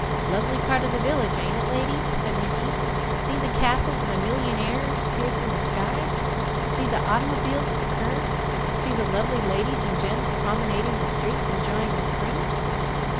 "Lovely part of the village, ain't it, lady?" said Mickey. "See the castles of the millyingaires piercing the sky; see their automobiles at the curb; see the lovely ladies and gents promenading the streets enjoying the spring?"